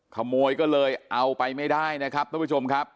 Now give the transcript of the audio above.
ขโมยก็เลยเอาไปไม่ได้นะครับทุกผู้ชมครับ